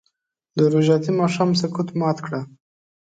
د روژتي ماښام سکوت مات کړه